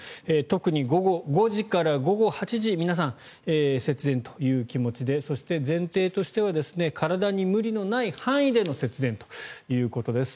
特に午後５時から午後８時皆さん節電という気持ちでそして、前提としては体に無理のない範囲での節電ということです。